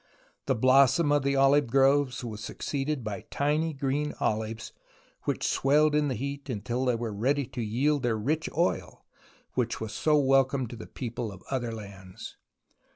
The blossom of the olive groves was succeeded by tiny green ohves which swelled in the heat until they were ready to yield their rich oil which was so welcome to the people of other lands.